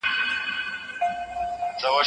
ظلم کول لويه تېروتنه ده.